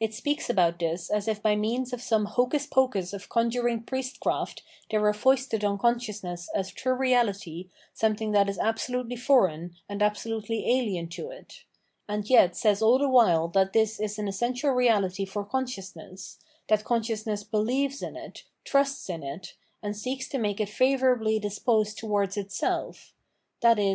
It speaks about this as if by means of some hocus pocus of con juring priestcraft there were foisted on consciousness as true Reahty something that is absolutely foreign, and absolutely ahen to it ; and yet says all the while that this is an essential reahty for consciousness, that The Struggle of Enlightenment with Superstition 559 consciousness believes in it, trusts in it, and seeks to make it favourably disposed towards itself ; i.e.